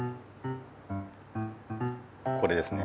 これですね。